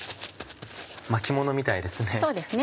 巻ものみたいですね。